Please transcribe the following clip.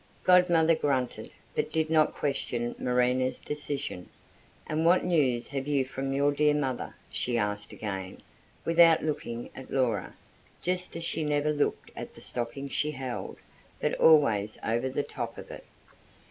Godmother grunted, but did not question Marina's decision. "And what news have you from your dear mother?" she asked again, without looking at Laura just as she never looked at the stocking she held, but always over the top of it.